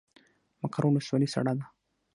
مقر ولسوالۍ سړه ده؟